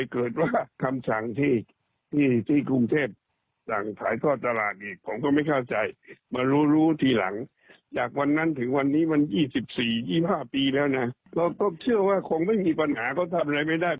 เราก็เชื่อว่าคงไม่มีปัญหาเขาทำอะไรไม่ได้